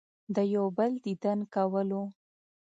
د يو بل ديدن کولو